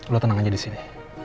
lo tenang aja di sini